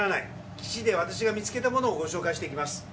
基地で私が見つけたものをご紹介していきます。